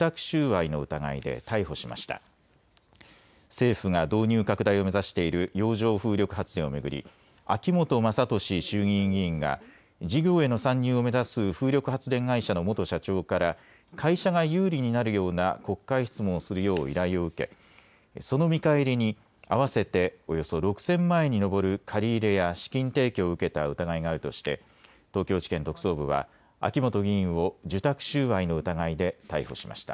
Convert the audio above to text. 政府が導入拡大を目指している洋上風力発電をめぐり秋本衆議院議員が会社が有利になるような質問をするよう依頼を受け、その見返りに合わせておよそ６０００万円に上る借り入れや資金提供を受けた疑いがあるとして東京地検特捜部は秋本議員を受託収賄の疑いで逮捕しました。